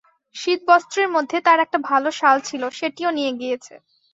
শীতবস্ত্রের মধ্যে তাঁর একটা ভালো শাল ছিল-সেটিও নিয়ে গিয়েছে।